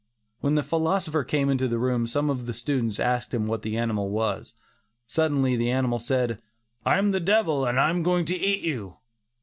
When the philosopher came into the room, some of the students asked him what animal it was. Suddenly the animal said "I am the devil and I am going to eat you."